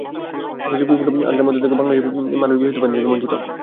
অথচ বিপুল আধারের মধ্যে থেকেও বাংলাদেশের মানুষ বিশুদ্ধ পানি থেকে বঞ্চিত।